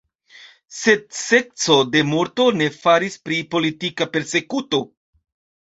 Sed sekco de morto ne faris pri politika persekuto.